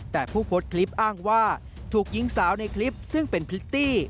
แต่ผู้โพสต์คลิปอ้างว่าถูกหญิงสาวในคลิปซึ่งเป็นพริตตี้